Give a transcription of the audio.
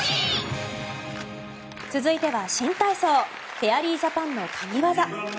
続いては新体操フェアリージャパンの神ワザ。